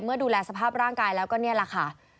ดูแลสภาพร่างกายแล้วก็นี่แหละค่ะ